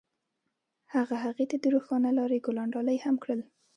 هغه هغې ته د روښانه لاره ګلان ډالۍ هم کړل.